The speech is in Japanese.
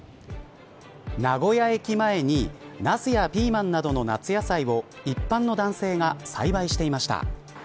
名古屋駅前になすやピーマンなどの夏野菜を一般の男性が栽培していました。